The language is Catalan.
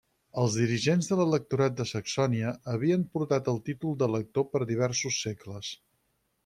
Els dirigents de l'Electorat de Saxònia havien portat el títol d'elector per diversos segles.